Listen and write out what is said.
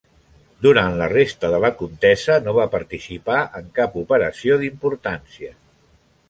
Durant la resta de la contesa no va participar en cap operació d'importància.